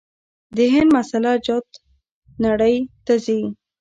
د هند مساله جات نړۍ ته ځي.